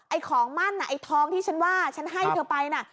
ของมั่นไอ้ทองที่ฉันว่าฉันให้เธอไปน่ะ